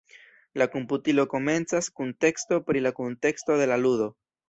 La komputilo komencas kun teksto pri la kunteksto de la ludo.